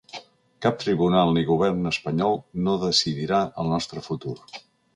Cap tribunal ni govern espanyol no decidirà el nostre futur.